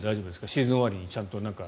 シーズン終わりにちゃんと。